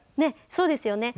そうですよね。